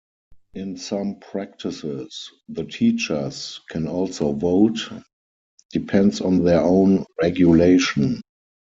In some practices, the teachers can also vote depends on their own regulation.